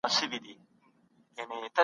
څېړنه د پوهي دروازې پرانیزي.